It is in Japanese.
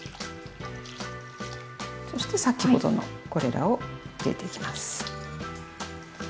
そして先ほどのこれらを入れていきます。